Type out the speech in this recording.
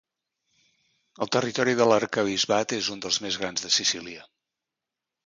El territori de l'arquebisbat és un dels més grans de Sicília.